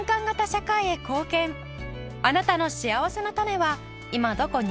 あなたのしあわせのたねは今どこに？